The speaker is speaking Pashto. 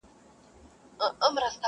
که نقاب پر مخ نیازبینه په مخ راسې,